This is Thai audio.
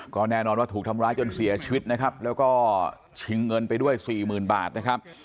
ก็แน่นอนว่าถูกทำร้ายจนเสียชีวิตนะครับแล้วก็ชิงเงินไปด้วยสี่หมื่นบาทนะครับ